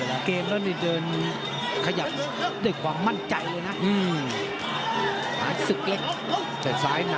แค่แต่ดูเกมนั่นด้วยเดิน